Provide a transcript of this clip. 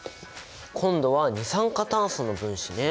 今度は二酸化炭素の分子ね。